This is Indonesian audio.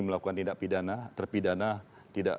melakukan tindak pidana terpidana